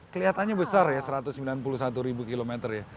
kelihatannya besar ya satu ratus sembilan puluh satu ribu kilometer ya